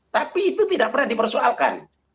tapi itu tidak pernah dipersoalkan